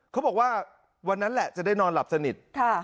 เขาบอกว่าวันนั้นแหละจะได้นอนหลับสนิท